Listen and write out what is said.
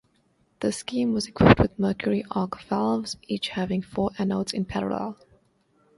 This scheme was equipped with Mercury arc valves, each having four anodes in parallel.